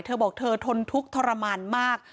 เธอบอกเธอทนทุกข์ทรมานมาก